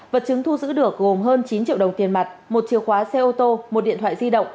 vật chứng thu giữ được gồm hơn chín triệu đồng tiền mặt một chìa khóa xe ô tô một điện thoại di động